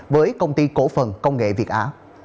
với công ty cổ phần công nghệ việt á